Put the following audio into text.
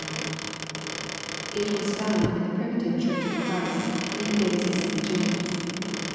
It was found in the primitive Church of Christ, in the days of St, James.